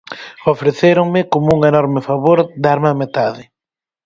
Ofrecéronme, como un enorme favor, darme a metade.